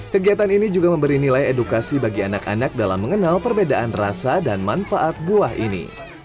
kegiatan ini juga memberi nilai edukasi bagi anak anak dalam mengenal perbedaan rasa dan manfaat buah ini